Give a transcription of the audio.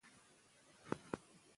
د پخلي لوښي له زنګ وساتئ.